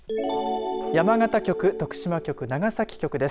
山形局、徳島局、長崎局です。